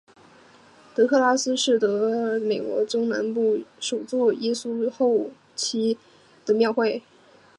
达拉斯圣殿是得克萨斯州和美国中南部首座耶稣基督后期圣徒教会圣殿。